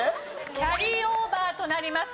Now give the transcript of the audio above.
キャリーオーバーとなります。